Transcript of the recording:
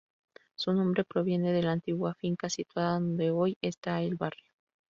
Su nombre proviene de la antigua finca situada donde hoy está el barrio.